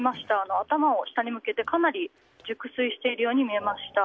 頭を下に向けてかなり熟睡しているように見えました。